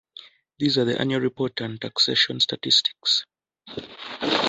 These are the Annual Report and Taxation Statistics.